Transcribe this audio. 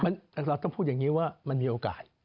เราต้องพูดอย่างนี้ว่ามันมีโอกาส